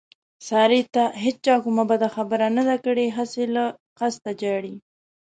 سارې ته هېچا کومه بده خبره نه ده کړې، هسې له قسته ژاړي.